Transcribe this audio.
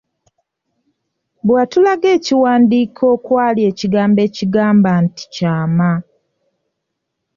Bwe watulaga ekiwandiiko okwali ekigambo ekigamba nti “KYAMA”.